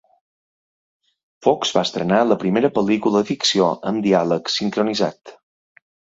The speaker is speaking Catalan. Fox va estrenar la primera pel·lícula de ficció amb diàleg sincronitzat.